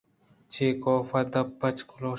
چے ؟ کافءَ دپ پچ لگوشت